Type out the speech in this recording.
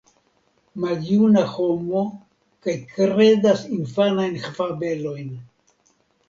Maljuna homo kaj kredas infanajn fabelojn!